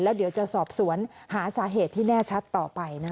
เดี๋ยวจะสอบสวนหาสาเหตุที่แน่ชัดต่อไปนะคะ